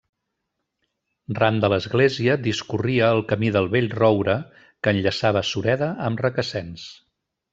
Ran de l'església discorria el Camí del Vell Roure, que enllaçava Sureda amb Requesens.